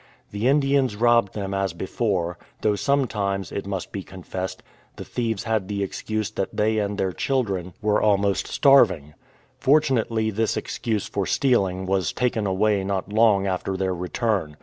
The Indians robbed them as before, though sometimes, it must be confessed, the thieves had the excuse that they and their childi'en were 220 ^ J»^. THE RETURN OF THE BISON almost starving. Fortunately this excuse for stealing was taken away not long after their return.